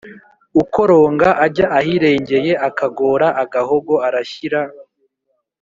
ukoron, ga ajya ahireng-eye, aka, gora agaho, go, arashyira